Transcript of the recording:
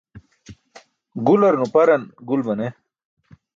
Gular nuparan gul mane.